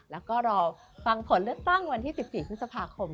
แล้วก็รอฟังผลเลือกตั้งวันที่๑๔พฤษภาคม